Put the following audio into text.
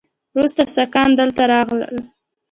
وروسته ساکان دلته راغلل